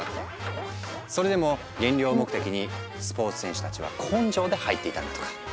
それでも減量目的にスポーツ選手たちは根性で入っていたんだとか。